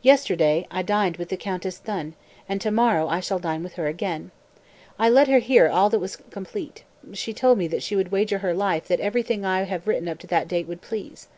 213. "Yesterday I dined with the Countess Thun, and tomorrow I shall dine with her again. I let her hear all that was complete; she told me that she would wager her life that everything that I have written up to date would please.